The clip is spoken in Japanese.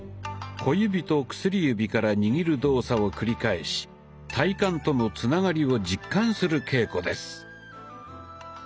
小指と薬指から握る動作を繰り返し体幹とのつながりを実感する稽古です。